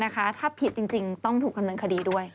ถ้าผิดจริงต้องถูกดำเนินคดีด้วย